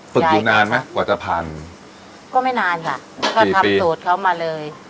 อยู่นานไหมกว่าจะผ่านก็ไม่นานค่ะก็ทำสูตรเขามาเลย